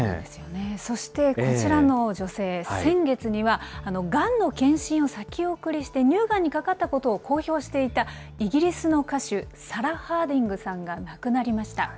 そしてこちらの女性、先月には、がんの検診を先送りして、乳がんにかかったことを公表していたイギリスの歌手、サラ・ハーディングさんが亡くなりました。